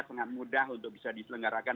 sangat mudah untuk bisa diselenggarakan